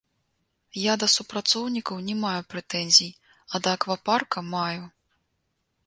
Я да супрацоўнікаў не маю прэтэнзій, а да аквапарка маю.